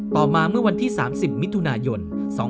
ต่อมาเมื่อวันที่๓๐มิถุนายน๒๕๕๙